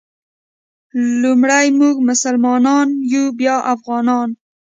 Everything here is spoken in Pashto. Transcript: لومړی مونږ مسلمانان یو بیا افغانان.